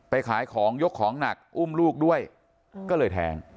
ขายของยกของหนักอุ้มลูกด้วยก็เลยแทง